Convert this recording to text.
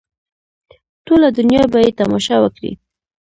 ټوله دنیا به یې تماشه وکړي.